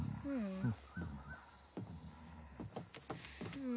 うん。